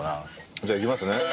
じゃあいきますね。